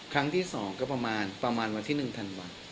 ครั้งที่สองก็ประมาณประมาณวันที่หนึ่งถันวัน